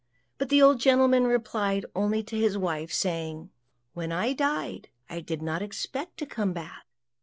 But the old gentleman replied only to his wife, saying, "When I died I did not expect to come back.